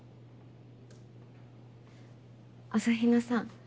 朝比奈さん